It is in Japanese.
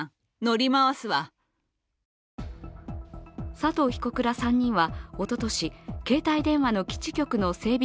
佐藤被告ら３人はおととし、携帯電話の基地局の整備